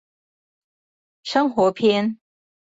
生活篇